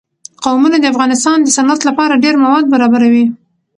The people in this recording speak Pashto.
قومونه د افغانستان د صنعت لپاره ډېر مواد برابروي.